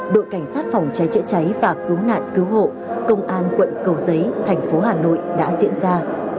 đội cảnh sát phòng cháy chữa cháy và cứu nạn cứu hộ công an quận cầu giấy thành phố hà nội đã diễn ra